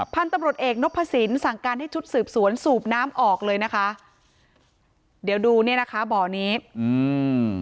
พันธุ์ตำรวจเอกนพสินสั่งการให้ชุดสืบสวนสูบน้ำออกเลยนะคะเดี๋ยวดูเนี้ยนะคะบ่อนี้อืม